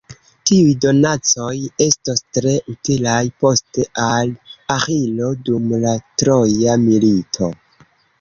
Tiuj donacoj estos tre utilaj poste al Aĥilo dum la Troja milito.